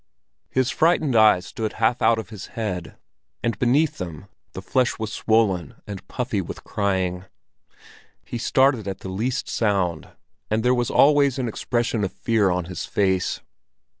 His frightened eyes stood half out of his head, and beneath them the flesh was swollen and puffy with crying. He started at the least sound, and there was always an expression of fear on his face.